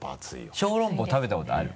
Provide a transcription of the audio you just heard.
小籠包食べたことある？